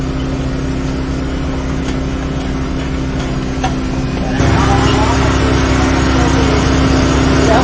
เย็นเย็น